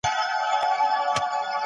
باید د مطالعې فرهنګ نور هم غني سي.